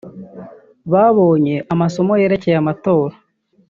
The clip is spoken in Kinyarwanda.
Babonye amasomo yerekeye amatora